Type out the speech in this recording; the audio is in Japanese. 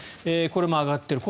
これも上がっている。